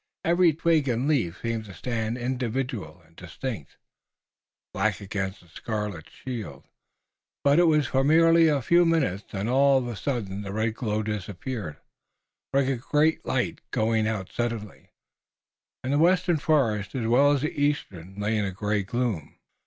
Every twig and leaf seemed to stand individual and distinct, black against a scarlet shield. But it was for merely a few minutes. Then all the red glow disappeared, like a great light going out suddenly, and the western forest as well as the eastern, lay in a gray gloom.